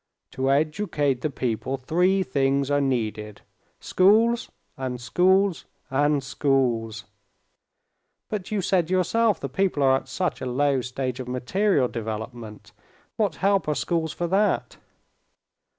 "To educate the people three things are needed: schools, and schools, and schools." "But you said yourself the people are at such a low stage of material development: what help are schools for that?"